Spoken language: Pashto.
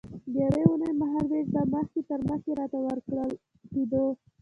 د یوې اوونۍ مهال وېش به مخکې تر مخکې راته ورکول کېده.